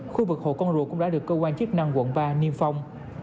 khu vực hồ con rụa cũng đã được cơ quan chức năng quận ba niêm phong